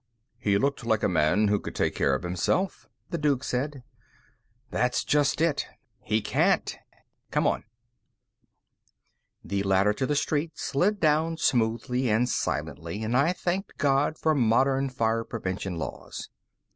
"He looked like a man who could take care of himself," the Duke said. "That's just it. He can't. Come on." The ladder to the street slid down smoothly and silently, and I thanked God for modern fire prevention laws.